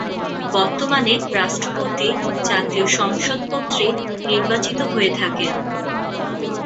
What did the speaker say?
বর্তমানে রাষ্ট্রপতি জাতীয় সংসদ কর্তৃক নির্বাচিত হয়ে থাকেন।